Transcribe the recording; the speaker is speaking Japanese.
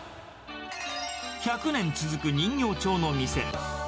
１００年続く人形町の店。